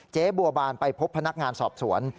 เจ๊บัวบานไปพบพนักงานสอบสวน